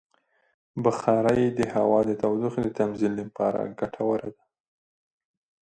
بخاري د هوا د تودوخې د تنظیم لپاره ګټوره ده.